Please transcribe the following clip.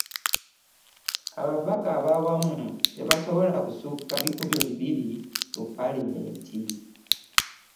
Ababaka ab'awamu tebasobola kusukka bikumi bibiri mu Paalamenti